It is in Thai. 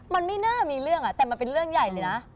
มันไม่น่ามีเรื่องแต่มันเป็นเรื่องใหญ่เลยนะ